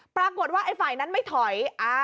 ปรากฏว่าไอ้ฝ่ายนั้นไม่ถอย